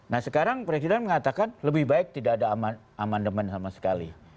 nah sekarang presiden mengatakan lebih baik tidak ada amandemen sama sekali